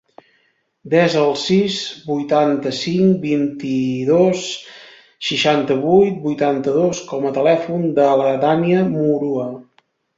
Desa el sis, vuitanta-cinc, vint-i-dos, seixanta-vuit, vuitanta-dos com a telèfon de la Dània Murua.